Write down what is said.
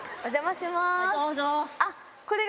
どうぞ。